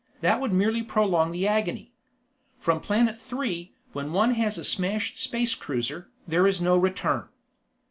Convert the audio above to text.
That would merely prolong the agony. From Planet Three, when one has a smashed space cruiser, there is no return.